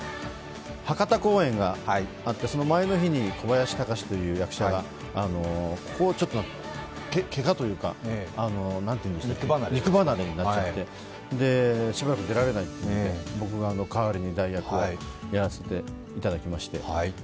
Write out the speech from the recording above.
博多公演があって、その前の日に小林隆という役者が、ここをけがというか、肉離れになっちゃってしばらく出られないというので僕が代わりに代役をやらせていただきまして。